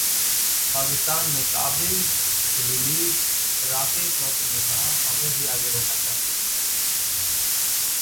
पाकिस्तान में 'काबिल' रिलीज, राकेश रोशन ने कहा- हमें भी आगे बढ़ना चाहिए